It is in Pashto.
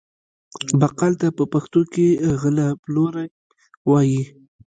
بقال ته په پښتو کې غله پلوری وايي.